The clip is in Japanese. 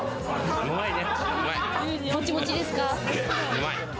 うまいね。